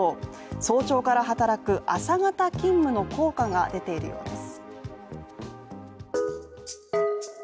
早朝から働く朝型勤務の効果が出ているようです。